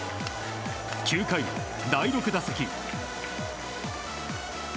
９回、第６打席。